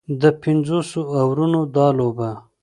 د پنځوسو اورونو دا لوبه